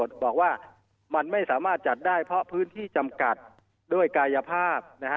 ถ้าเกิดจะจัดพื้นที่ให้เขาได้มั้ย